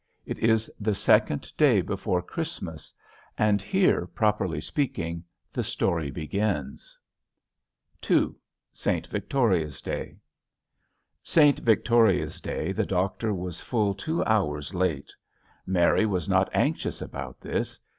It is the second day before Christmas; and here, properly speaking, the story begins. II. ST. VICTORIA'S DAY. St. Victoria's day the doctor was full two hours late. Mary was not anxious about this.